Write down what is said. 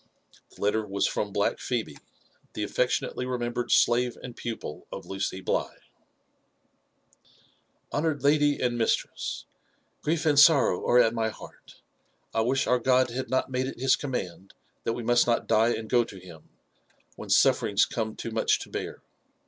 The letter was from black Phebe, the affectionately remembered slave and pupil of Lucy Biigh. '* Honoured Ladt and Mistress, '< Qrief and sorrow are at'my heart. I wish our God had not made it his eonimand that we must not die and go to him, when sufferings come too much to bear.